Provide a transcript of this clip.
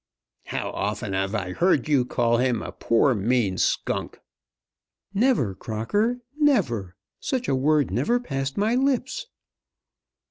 "How often have I heard you call him a poor mean skunk?" "Never, Crocker; never. Such a word never passed my lips."